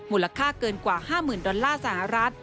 มูลค่าเกินกว่า๕๐๐๐ดอลลาร์สหรัฐ